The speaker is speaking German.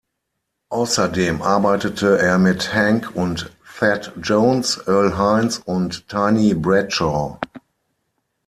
Außerdem arbeitete er mit Hank und Thad Jones, Earl Hines und Tiny Bradshaw.